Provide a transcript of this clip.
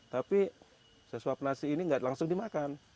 tapi sesuap nasi ini nggak langsung dimakan